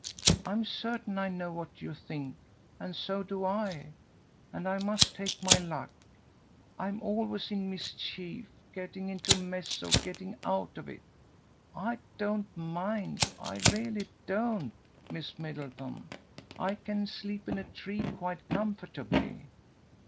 I'm certain I know what you think, and so do I, and I must take my luck. I'm always in mischief, getting into a mess or getting out of it. I don't mind, I really don't, Miss Middleton, I can sleep in a tree quite comfortably.